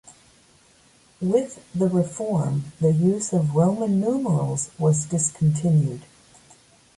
With the reform the use of Roman numerals was discontinued.